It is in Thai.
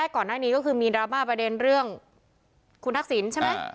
ก่อนหน้านี้ก็มีดราม่าประเด็นคุณทักษิณใช่ไหม